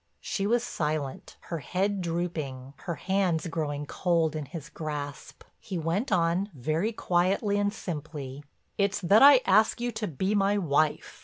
She was silent, her head drooping, her hands growing cold in his grasp. He went on, very quietly and simply: "It's that I ask you to be my wife.